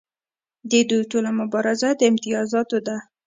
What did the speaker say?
د دوی ټوله مبارزه د امتیازاتو ده.